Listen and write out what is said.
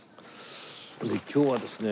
今日はですね